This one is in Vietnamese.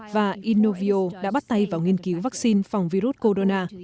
và innovio đã bắt tay vào nghiên cứu vaccine phòng virus corona